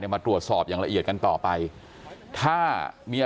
แต่ว่าวินนิสัยดุเสียงดังอะไรเป็นเรื่องปกติอยู่แล้วครับ